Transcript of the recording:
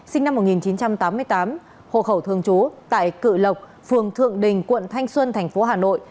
sinh năm một nghìn chín trăm tám mươi tám hồ khẩu thương chú tại cự lộc phường thượng đình quận thanh xuân thành phố hà nội